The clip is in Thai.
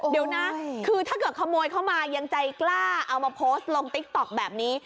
เดี๋ยวนะคือถ้าเกิดขโมยเข้ามายังใจกล้าเอามาโพสต์ลงติ๊กต๊อกแบบนี้